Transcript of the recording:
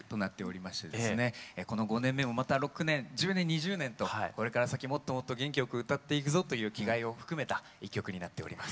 この５年目もまた６年１０年２０年とこれから先もっともっと元気よく歌っていくぞという気概を含めた一曲になっております。